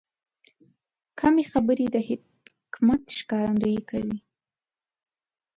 کمې خبرې، د حکمت ښکارندویي کوي.